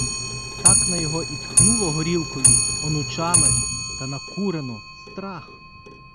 Так на його і тхнуло горілкою, онучами, та накурено — страх!